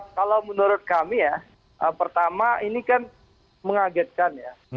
kalau menurut kami ya pertama ini kan mengagetkan ya